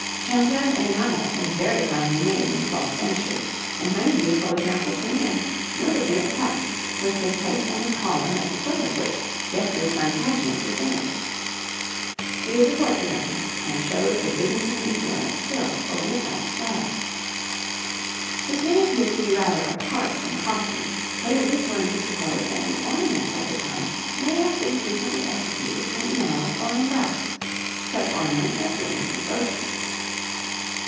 Champlevé enamel was very finely made in the twelfth century, and many beautiful examples remain, notably a plaque which was placed on the column at the foot of which Geoffrey Plantagenet was buried. It is a portrait of him, and shows the Byzantine influence still over the French style. This may appear to be rather apart from costume, but it leads one to suppose that the ornaments of the time may have been frequently executed in enamel or in brass such ornaments as rings and brooches.